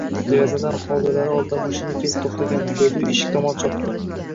Derazadan hovlilari oldida mashina kelib to`xtaganini ko`rdi-yu, eshik tomon chopdi